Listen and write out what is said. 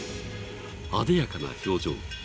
あでやかな表情。